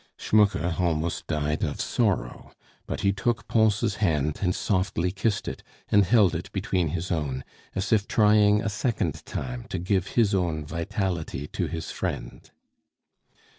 Schmucke almost died of sorrow, but he took Pons' hand and softly kissed it, and held it between his own, as if trying a second time to give his own vitality to his friend.